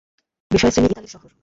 বিষয়শ্রেণী:ইতালির শহর